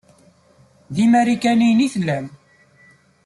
D imarikaniyen i tellam.